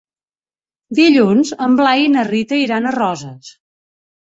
Dilluns en Blai i na Rita iran a Roses.